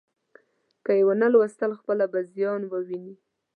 که یې ونه ولوستل، خپله به زیان وویني.